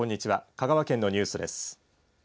香川県のニュースです。